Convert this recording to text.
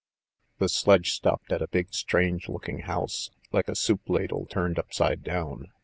The sledge stopped at a big strange looking house, like a soup ladle turned upside down.